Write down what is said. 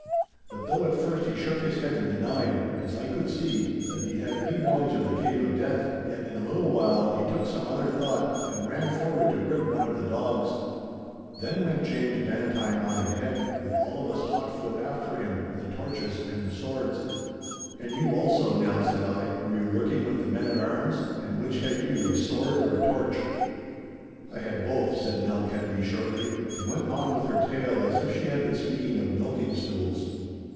But though at first he shook his head and denied, as I could see, that he had any knowledge of the Cave of Death, yet in a little while he took some other thought and ran forward to grip one of the dogs. 'Then went James Bannatyne on ahead, with all of us hotfoot after him, with the torches and the swords.' 'And you also, Nell,' said I,' 'were you lurking with the men at arms, and which had you, a sword or a torch?' 'I had both,' said Nell Kennedy, shortly. And went on with her tale as if she had been speaking of milking stools.